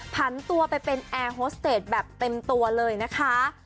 ผันตัวไปเป็นแอร์โฮสเตจแบบเต็มตัวเลยนะคะ